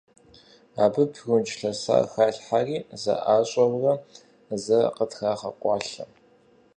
Абы прунж лъэсар халъхьэри, зэӀащӀэурэ, зэ къытрагъэкъуалъэ.